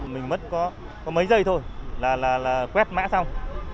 mình mất có mấy giây thôi là quét mã xong